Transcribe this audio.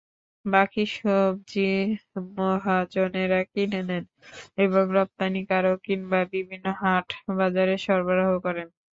বাকি সবজি মহাজনেরা কিনে নেন এবং রপ্তানিকারক কিংবা বিভিন্ন হাট-বাজারে সরবরাহ করেন।